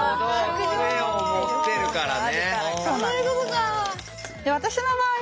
杖を持ってるからね。